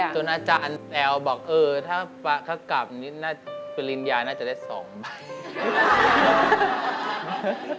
จนอาจารย์แอวบอกถ้าป่ะก็กลับนี่น่าจะไปเรียนยาน่าจะได้สองบาท